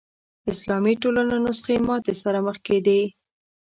اسلامي ټولنو نسخې ماتې سره مخ کېدې